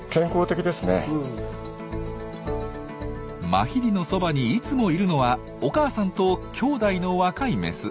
マヒリのそばにいつもいるのはお母さんときょうだいの若いメス。